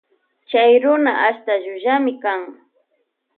Chy runa ashta llullami kan.